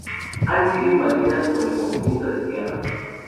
han sido invadidas por el movimiento de tierras